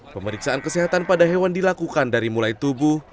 pemeriksaan kesehatan pada hewan dilakukan dari mulai tubuh